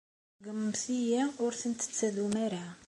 Ṛeggmem-iyi ur tent-tettadum ara.